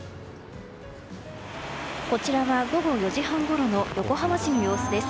こちらは午後４時半ごろの横浜市の様子です。